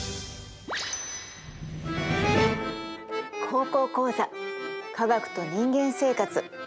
「高校講座科学と人間生活」。